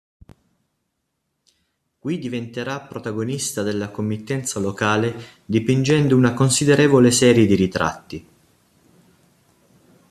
Qui diventerà protagonista della committenza locale dipingendo una considerevole serie di ritratti.